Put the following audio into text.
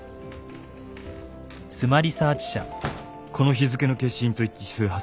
この日付の消印と一致する発送記録は？